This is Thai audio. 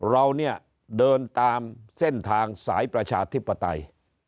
เราเนี่ยเดินตามเส้นทางสายประชาธิปไตย